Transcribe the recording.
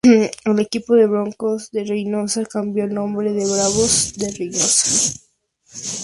El equipo de Broncos de Reynosa cambió el nombre a Bravos de Reynosa.